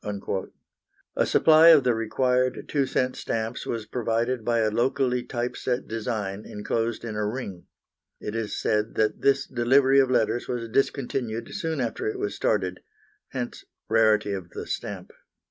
A supply of the required 2 c. stamps was provided by a locally type set design enclosed in a ring. It is said that this delivery of letters was discontinued soon after it was started, hence rarity of the stamp.